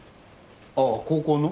ああ高校の？